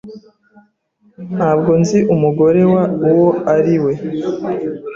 Ntabwo nzi umugore wa uwo ari we.